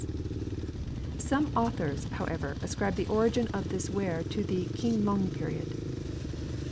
Some authors, however, ascribe the origin of this ware to the Keen lung period.